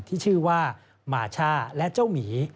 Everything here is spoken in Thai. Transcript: ที่ชื่อว่ามาช่าและเจ้าหมี